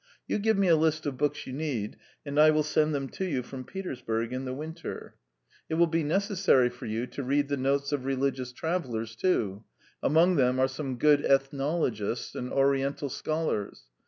You give me a list of books you need, and I will send them to you from Petersburg in the winter. It will be necessary for you to read the notes of religious travellers, too; among them are some good ethnologists and Oriental scholars.